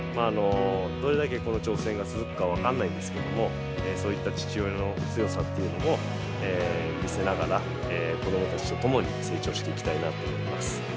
どれだけこの挑戦が続くか分かんないですけども、そういった父親の強さというのを見せながら、子どもたちと共に成長していきたいなって思います。